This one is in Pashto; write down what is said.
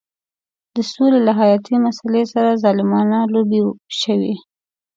د سولې له حیاتي مسلې سره ظالمانه لوبې شوې.